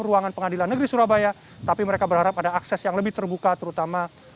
ruangan pengadilan negeri surabaya tapi mereka berharap ada akses yang lebih terbuka terutama